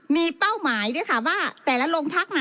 มีเป้าหมายด้วยค่ะว่าแต่ละโรงพักน่ะ